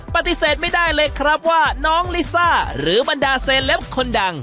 ปฏิเสธไม่ได้เลยครับว่าน้องลิซ่าหรือบรรดาเซเลปคนดัง